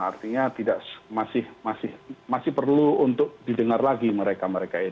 artinya tidak masih masih perlu untuk didengar lagi mereka